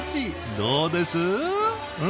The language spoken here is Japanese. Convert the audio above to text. どうです？